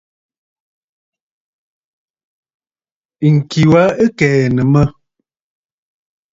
Ŋ̀ki wa ɨ kɛ̀ɛ̀nə̀ mə̂.